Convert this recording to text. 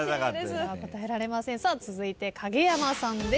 続いて影山さんです。